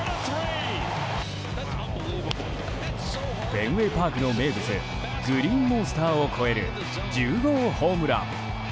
フェンウェイパークの名物グリーンモンスターを越える１０号ホームラン。